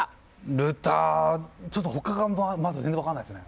ルターちょっとほかがあんま全然分かんないっすね。